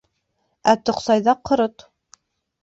Ә тоҡсайҙа ҡорот.